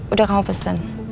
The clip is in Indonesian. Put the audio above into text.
udah kamu pesen